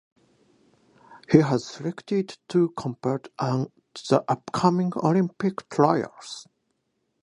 He was selected to compete at the upcoming Olympic Trials.